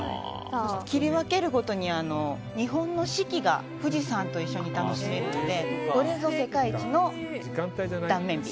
切り分けるごとに日本の四季が富士山と一緒に楽しめるのでこれぞ世界一の断面美。